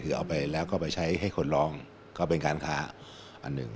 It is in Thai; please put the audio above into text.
คือเอาไปแล้วก็ไปใช้ให้คนลองก็เป็นการค้าอันหนึ่ง